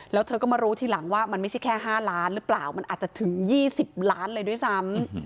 แล้วเธอก็มารู้ทีหลังว่ามันไม่ใช่แค่๕ล้านหรือเปล่ามันอาจจะถึง๒๐ล้านเลยด้วยซ้ำ